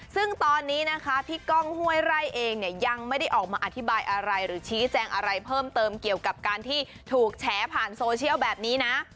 ซึ่งตอนนี้นะคะพี่ก้องห้วยไร่เองเนี่ยยังไม่ได้ออกมาอธิบายอะไรหรือชี้แจงอะไรเพิ่มเติมเกี่ยวกับการที่ถูกแฉผ่านโซเชียลแบบนี้นะ